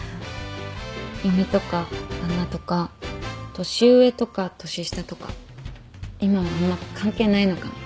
嫁とか旦那とか年上とか年下とか今はあんま関係ないのかも